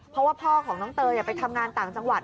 เพราะว่าพ่อของน้องเตยไปทำงานต่างจังหวัด